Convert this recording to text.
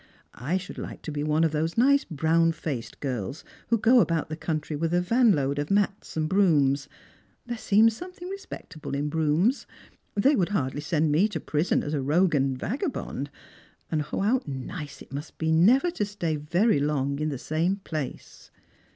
I should like to be one of those nice brown faced girls who go about the country with a van load of mats and brooms. There seema Boniething respectable in brooms. They would hardly send me to prison as a rogue and vagabond ; and 0, how nice it must be never to stay very long in the same place